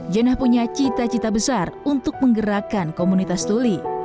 jana punya cita cita besar untuk menggerakkan komunitas tuli